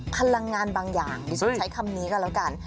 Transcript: พลังงานบางอย่างดิฉันใช้คำนี้ก็แล้วกัน